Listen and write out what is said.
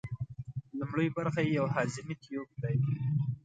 لومړۍ برخه یې یو هضمي تیوپ دی.